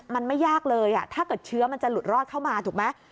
มันไม่ยากเลยถ้าเกิดเชื้อมันจะหลุดรอดเข้ามาถูกไหม